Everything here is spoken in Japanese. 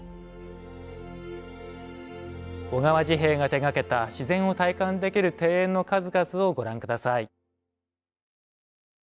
小川治兵衛が手がけた自然を体感できる庭園の数々をご覧下さい。